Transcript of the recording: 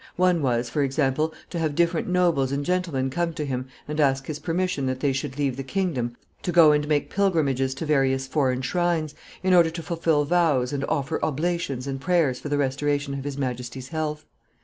One was, for example, to have different nobles and gentlemen come to him and ask his permission that they should leave the kingdom to go and make pilgrimages to various foreign shrines, in order to fulfill vows and offer oblations and prayers for the restoration of his majesty's health.